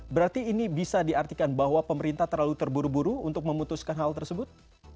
berarti ini bisa diartikan bahwa pemerintah terlalu terburu buru untuk memutuskan hal tersebut